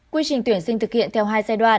quy trình tuyển sinh thực hiện theo hai giai đoạn